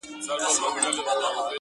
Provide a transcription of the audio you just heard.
ژبه یې لمبه ده اور په زړه لري-